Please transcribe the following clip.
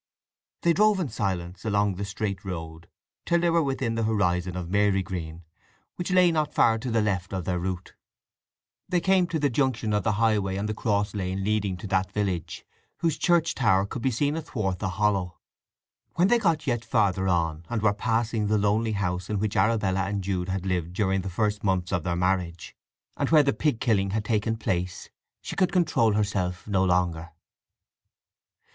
They drove in silence along the straight road till they were within the horizon of Marygreen, which lay not far to the left of their route. They came to the junction of the highway and the cross lane leading to that village, whose church tower could be seen athwart the hollow. When they got yet farther on, and were passing the lonely house in which Arabella and Jude had lived during the first months of their marriage, and where the pig killing had taken place, she could control herself no longer.